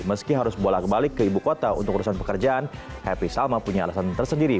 meski harus bolak balik ke ibu kota untuk urusan pekerjaan happy salma punya alasan tersendiri